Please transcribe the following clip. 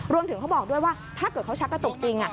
เขาบอกด้วยว่าถ้าเกิดเขาชักกระตุกจริง